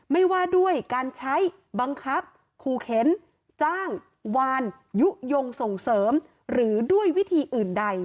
ไม่ว่าด้วยการใช้บังคับขู่เข็นจ้างวานยุโยงส่งเสริมหรือด้วยวิธีอื่นใด